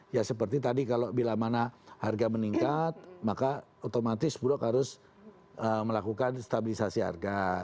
ya seperti tadi kalau bila mana harga meningkat maka otomatis bulog harus melakukan stabilisasi harga